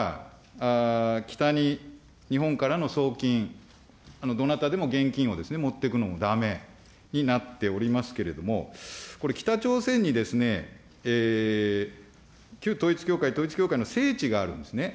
これ、日本は２０１６年２月から、北に日本からの送金、どなたでも現金をですね、持ってくのもだめになっておりますけれども、これ、北朝鮮に旧統一教会、統一教会の聖地があるんですね。